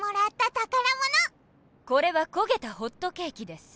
これはこげたホットケーキです。